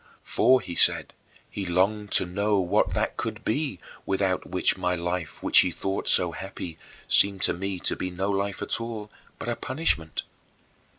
For, he said, he longed to know what that could be without which my life, which he thought was so happy, seemed to me to be no life at all, but a punishment.